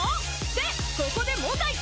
でここで問題！